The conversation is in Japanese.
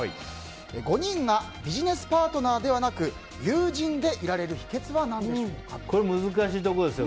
５人がビジネスパートナーではなく友人でいられる秘訣はこれ難しいところですよ。